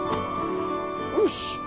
よし。